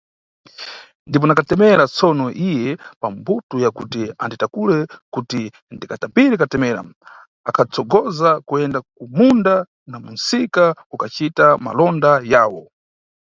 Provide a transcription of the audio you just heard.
Ndipo na katemera, tsono iye pa mbuto ya kuti anditakule kuti ndikatambire katemera, akhatsogoza kuyenda ku munda na ku msika kukacita malonda yawo.